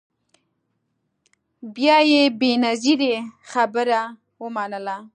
بیا یې بنظیري خبره ومنله